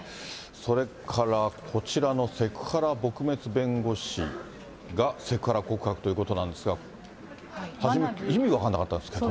それからこちらのセクハラ撲滅弁護士がセクハラ告白ということなんですが、初め、意味が分からなかったんですけど。